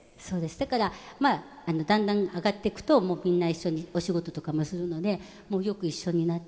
だからまあだんだん上がっていくともうみんな一緒にお仕事とかもするのでよく一緒になって。